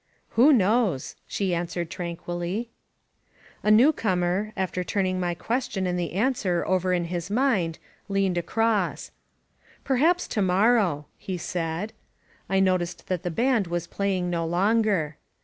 "Who knows?" she answered tranquilly. A newcomer, after turning my question and the an swer over in his mind, leaned across. "Perhaps to morrow," he said. I noticed that the band was playing no longer.